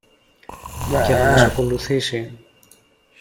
και να μας ακολουθήσει.